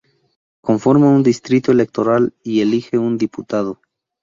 Conforma un distrito electoral y elige un diputado.